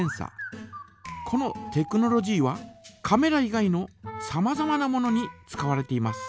このテクノロジーはカメラ以外のさまざまなものに使われています。